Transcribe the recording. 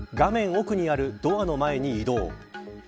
奥にあるドアの前に移動。